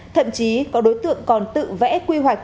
thậm chí có đối tượng còn tự vẽ quy hoạch